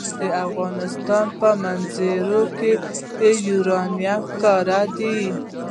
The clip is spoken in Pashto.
د افغانستان په منظره کې یورانیم ښکاره ده.